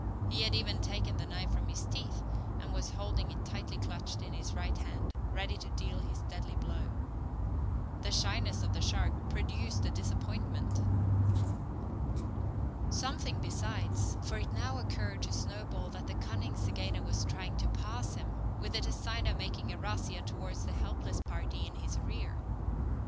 He had even taken the knife from his teeth, and was holding it tightly clutched in his right hand, ready to deal his deadly blow. The shyness of the shark produced a disappointment. Something besides: for it now occurred to Snowball that the cunning zygaena was trying to pass him, with the design of making a razzia towards the helpless party in his rear.